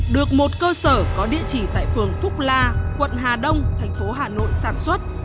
được một cơ sở có địa chỉ tại phường phúc la quận hà đông thành phố hà nội sản xuất